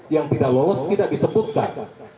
yang tidak lolos tidak disebutkan